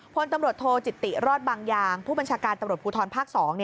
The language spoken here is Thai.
พลตำรวจโทจิติรอดบางยางผู้บัญชาการตำรวจภูทรภาค๒